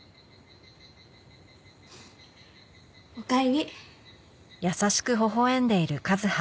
おかえり。